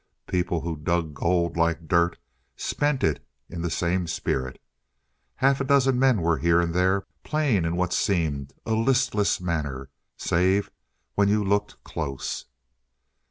People who dug gold like dirt spent it in the same spirit. Half a dozen men were here and there, playing in what seemed a listless manner, save when you looked close.